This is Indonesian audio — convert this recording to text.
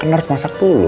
kan harus masak dulu